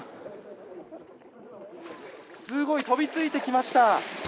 すごい、飛びついてきました！